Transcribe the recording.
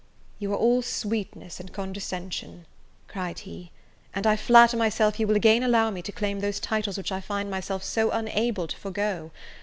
"You are all sweetness and condescension!" cried he, "and I flatter myself you will again allow me to claim those titles which I find myself so unable to forego.